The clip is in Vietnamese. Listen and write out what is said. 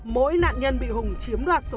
mỗi nạn nhân bị hùng chiếm đoạt tài sản